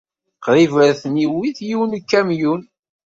Qrib ay ten-iwit yiwen n ukamyun.